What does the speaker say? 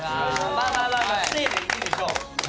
まあまあまあまあステイでいいでしょう。